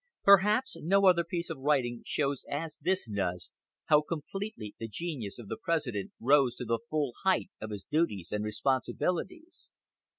Perhaps no other piece of his writing shows as this does how completely the genius of the President rose to the full height of his duties and responsibilities.